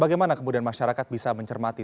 bagaimana kemudian masyarakat bisa mencermati